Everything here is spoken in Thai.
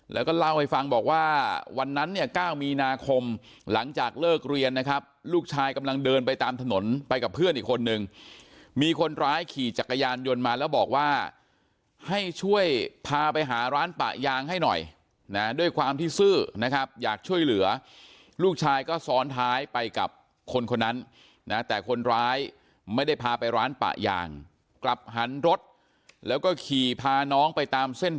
แล้วก็เล่าให้ฟังบอกว่าวันนั้นเนี่ย๙มีนาคมหลังจากเลิกเรียนนะครับลูกชายกำลังเดินไปตามถนนไปกับเพื่อนอีกคนนึงมีคนร้ายขี่จักรยานยนต์มาแล้วบอกว่าให้ช่วยพาไปหาร้านปะยางให้หน่อยนะด้วยความที่ซื่อนะครับอยากช่วยเหลือลูกชายก็ซ้อนท้ายไปกับคนคนนั้นนะแต่คนร้ายไม่ได้พาไปร้านปะยางกลับหันรถแล้วก็ขี่พาน้องไปตามเส้น